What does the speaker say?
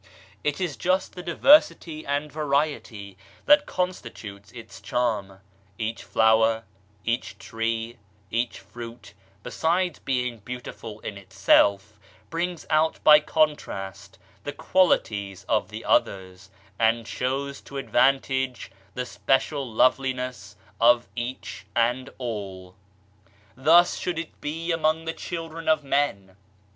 It is just the diversity and variety that constitutes its charm ; each flower, each tree, each fruit, besides being beautiful in itself, brings out by contrast the quali ties of the others, and shows to advantage the special loveliness of each and all. Thus should it be among the children of men